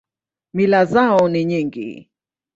Mila zao ni nyingi.